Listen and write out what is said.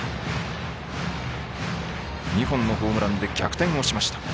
２本のホームランで逆転をしました。